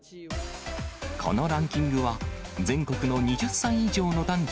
このランキングは、全国の２０歳以上の男女